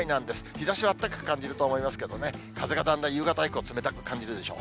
日ざしはあったかく感じると思いますけどね、風がだんだん夕方以降、冷たく感じるでしょう。